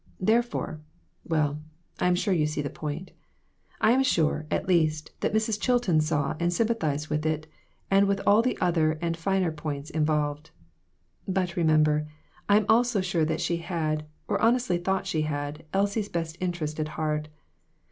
Therefore well, I am sure you see the point. I am sure, at least, that Mrs. Chilton saw and sympathized with it, and with all the other and finer points involved. But remember, I am also sure that she had, or honestly thought she had, Elsie's best interests at heart.